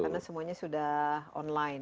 karena semuanya sudah online